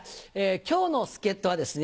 今日の助っ人はですね